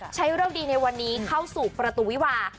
เริกดีในวันนี้เข้าสู่ประตูวิวา